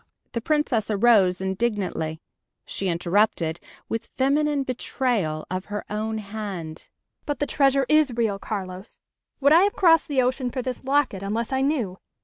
The Princess arose indignantly. She interrupted, with feminine betrayal of her own hand. "But the treasure is real, Carlos. Would I have crossed the ocean for this locket unless I knew?"